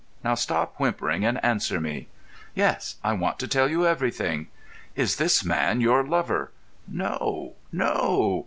Now, stop whimpering, and answer me." "Yes, I want to tell you everything." "Is this man your lover?" "No—no."